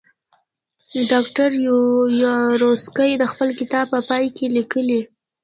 ډاکټر یاورسکي د خپل کتاب په پای کې لیکي.